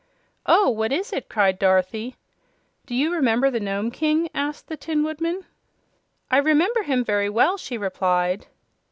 "Oh, what is it?" cried Dorothy. "Do you remember the Nome King?" asked the Tin Woodman. "I remember him very well," she replied.